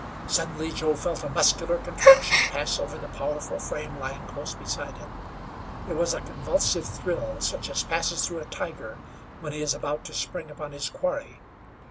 Suddenly Joe felt a muscular contraction pass over the powerful frame lying close beside him. It was a convulsive thrill such as passes through a tiger when he is about to spring upon his quarry.